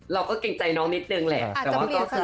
เกรงใจน้องนิดนึงแหละ